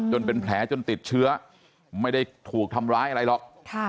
เป็นแผลจนติดเชื้อไม่ได้ถูกทำร้ายอะไรหรอก